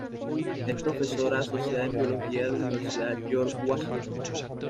Es profesora asociada en biología de la Universidad George Washington.